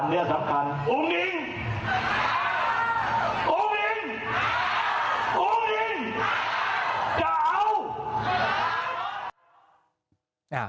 อุ้งดิงจะเอา